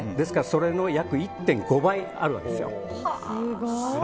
それの１．５倍あるんですよ。